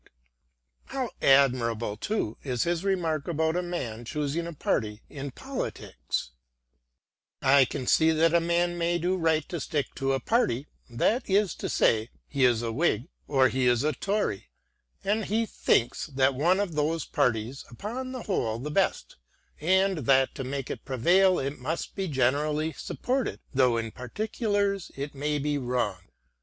t How admirable too is his remark about a man choosing a party in politics :" I can see that a man may do right to stick to a party ; that is to say, he is a Whig or he is a Tory, and he thinks that one of those parties upon the whole the best and that to make it prevail it must be generally supported, though in particulars it may be wrong.